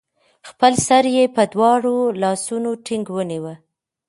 خپل سر يې په دواړو لاسونو ټينګ ونيوه